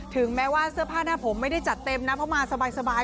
ถึงแม้ว่าเสื้อผ้าหน้าผมไม่ได้จัดเต็มนะเพราะมาสบาย